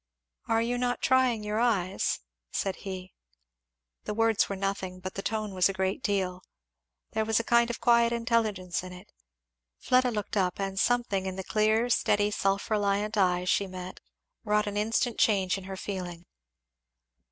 "Are you not trying your eyes?" said he. The words were nothing, but the tone was a great deal, there was a kind of quiet intelligence in it. Fleda looked up, and something in the clear steady self reliant eye she met wrought an instant change in her feeling.